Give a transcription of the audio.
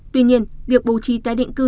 tuy nhiên việc bầu trí tái định cư